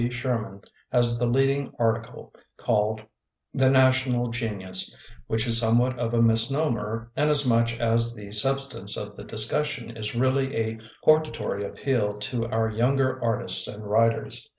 Sherman has the leading article, caUed "The National Genius", which is somewhat of a misnomer inasmuch as the substance of the discussion is really a hortatory appeal to our younger artists and writers.